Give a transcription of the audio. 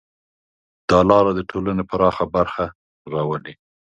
دا لاره د ټولنې پراخه برخه راولي.